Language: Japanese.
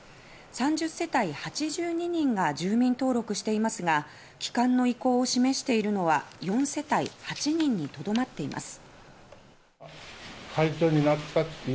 ３０世帯８２人が住民登録していますが帰還の意向を示しているのは４世帯８人にとどまっています。